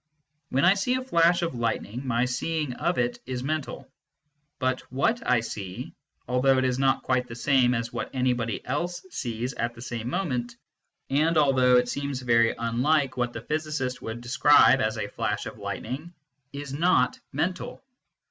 When I see a flash of lightning, my seeing of it is mental, but what I see, although it is not quite the same as what anybody else sees at the same moment, and although it seems very unlike what the physicist would describe as a flash of lightning, is not mental.